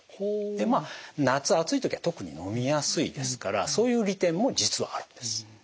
で夏暑い時は特に飲みやすいですからそういう利点も実はあるんです。